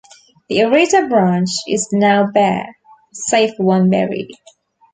The arita branch is now bare save for one berry.